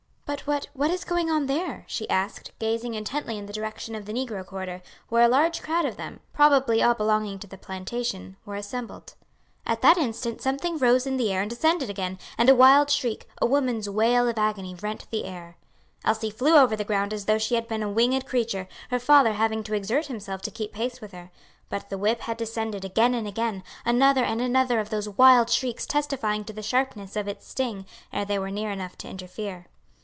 "But what, what is going on there?" she asked, gazing intently in the direction of the negro quarter, where a large crowd of them, probably all belonging to the plantation, were assembled. At that instant something rose in the air and descended again, and a wild shriek, a woman's wail of agony, rent the air. Elsie flew over the ground as though she had been a winged creature, her father having to exert himself to keep pace with her. But the whip had descended again and again, another and another of those wild shrieks testifying to the sharpness of its sting, ere they were near enough to interfere.